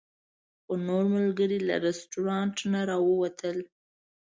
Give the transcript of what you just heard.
خو نور ملګري له رسټورانټ نه راووتل.